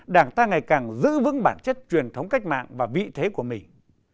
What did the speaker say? đảng ta ngày càng giữ vững bản chất truyền thống cách mạng và vị thế của mình